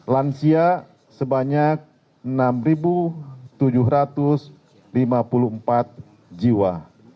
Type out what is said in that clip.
lansia sebanyak enam tujuh ratus lima puluh empat jiwa